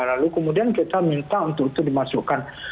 lalu kemudian kita minta untuk itu dimasukkan